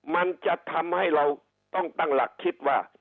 มันจะทำให้เราต้องตั้งหลักคิดว่า